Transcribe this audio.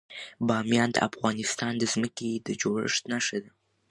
بامیان د افغانستان د ځمکې د جوړښت نښه ده.